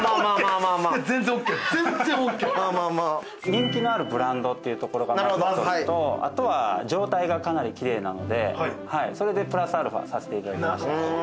人気のあるブランドっていうところがまず１つとあとは状態がかなりキレイなのでそれでプラスアルファさせていただきました。